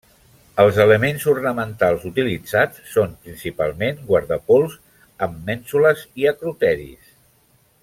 Els elements ornamentals utilitzats són principalment: guardapols amb mènsules i acroteris.